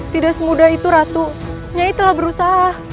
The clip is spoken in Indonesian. tidak semudah itu ratu nyai telah berusaha